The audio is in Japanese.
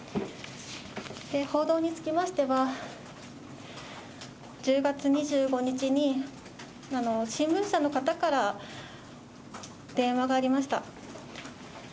報道につきましては、１０月２５日に新聞社の方から電話がありました。